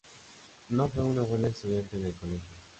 No fue una buena estudiante en el colegio.